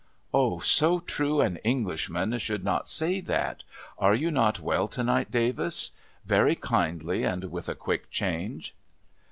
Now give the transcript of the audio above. ' O, so true an Englishman should not say that !— Are you not well to night, Davis?' Very kindly, and with a quick change.